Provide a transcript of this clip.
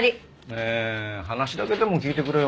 ねえ話だけでも聞いてくれよ。